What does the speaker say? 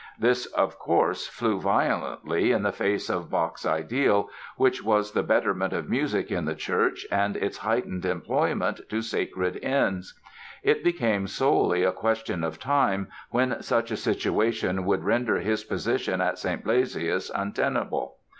This, of course, flew violently in the face of Bach's ideal, which was the betterment of music in the church and its heightened employment to sacred ends. It became solely a question of time when such a situation would render his position at St. Blasius untenable.